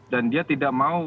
dan dia tidak mau